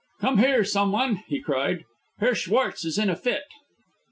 "Come here, someone," he cried. "Herr Schwartz is in a fit!"